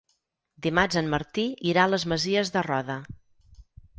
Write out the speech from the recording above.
Dimarts en Martí irà a les Masies de Roda.